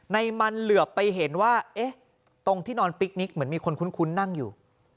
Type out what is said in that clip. ในมันเหลือไปเห็นว่าเอ๊ะตรงที่นอนปิ๊กนิกเหมือนมีคนคุ้นนั่งอยู่